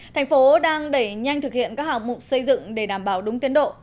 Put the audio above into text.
thành phố đang đẩy nhanh thực hiện các hạng mục xây dựng để đảm bảo đúng tiến độ